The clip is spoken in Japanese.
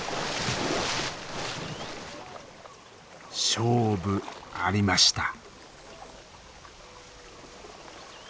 勝負ありました！